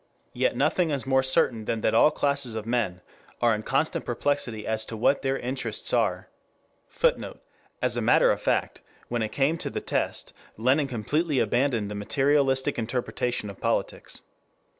Yet nothing is more certain than that all classes of men are in constant perplexity as to what their interests are. [Footnote: As a matter of fact, when it came to the test, Lenin completely abandoned the materialistic interpretation of politics.